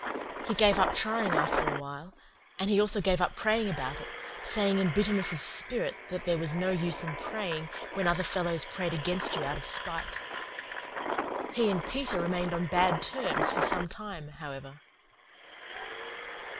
He gave up trying after awhile; and he also gave up praying about it, saying in bitterness of spirit that there was no use in praying when other fellows prayed against you out of spite. He and Peter remained on bad terms for some time, however.